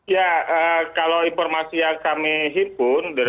ya kalau informasi yang kami himpun